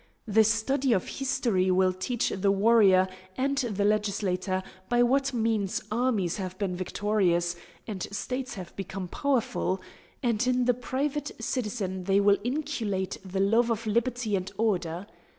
The study of history will teach the warrior and the legislator by what means armies have been victorious and states have become powerful; and in the private citizen they will inculcate the love of liberty and order.